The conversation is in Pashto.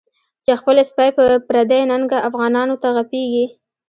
چی خپل سپی په پردی ننگه، افغانانوته غپیږی